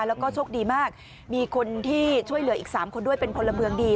แล้วก็โชคดีมากมีคนที่ช่วยเหลืออีก๓คนด้วยเป็นพลเมืองดี